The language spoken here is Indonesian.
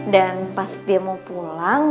dan pas dia mau pulang